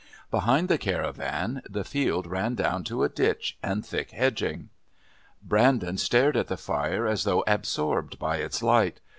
Behind the caravan the field ran down to a ditch and thick hedging. Brandon stared at the fire as though absorbed by its light.